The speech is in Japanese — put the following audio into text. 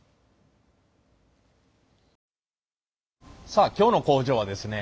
さあ今日の工場はですね